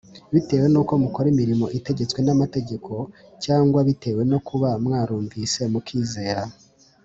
bitewe n uko mukora imirimo itegetswe n amategeko cyangwa bitewe no kuba mwarumvise mukizera